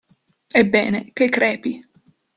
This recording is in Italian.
Ebbene, che crepi!